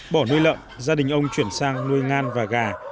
bỏ nuôi lợn gia đình ông chuyển sang nuôi ngan và gà